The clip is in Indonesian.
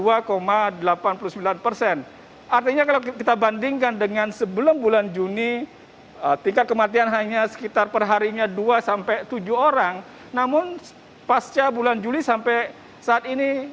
artinya kalau kita bandingkan dengan sebelum bulan juni tingkat kematian hanya sekitar perharinya dua sampai tujuh orang namun pasca bulan juli sampai saat ini